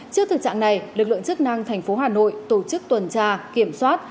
trước thực trạng này lực lượng chức năng thành phố hà nội tổ chức tuần tra kiểm soát